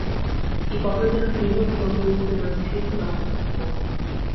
І па гэтых кнігах плануюць здымаць фільм на рускай мове!